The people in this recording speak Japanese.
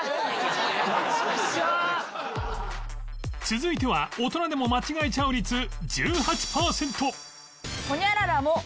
続いては大人でも間違えちゃう率１８パーセント